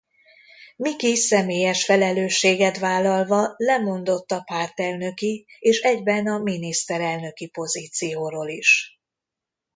Miki személyes felelősséget vállalva lemondott a pártelnöki és egyben a miniszterelnöki pozícióról is.